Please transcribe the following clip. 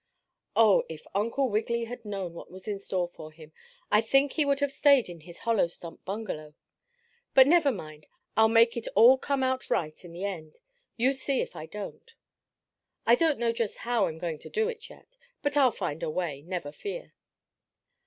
Oh! If Uncle Wiggily had known what was in store for him, I think he would have stayed in his hollow stump bungalow. But never mind, I'll make it all come out right in the end, you see if I don't. I don't know just how I'm going to do it, yet, but I'll find a way, never fear.